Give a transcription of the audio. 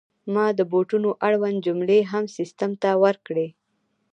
ما د بوټو اړوند جملې هم سیستم ته ورکړې.